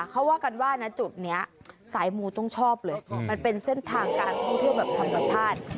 เขาว่ากันว่านะจุดนี้สายมูต้องชอบเลยมันเป็นเส้นทางการท่องเที่ยวแบบธรรมชาติ